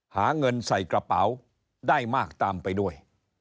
หาเงินใส่กระเป๋าได้มากตามไปด้วย